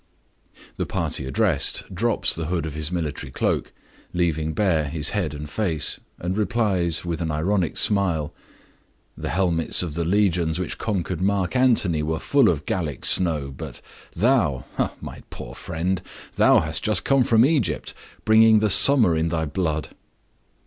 The party addressed drops the hood of his military cloak, leaving bare his head and face, and replies, with an ironic smile, "The helmets of the legions which conquered Mark Antony were full of Gallic snow; but thou—ah, my poor friend!—thou hast just come from Egypt, bringing its summer in thy blood."